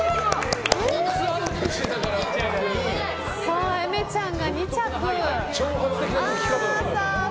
そして、えめちゃんが２着。